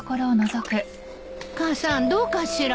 母さんどうかしら。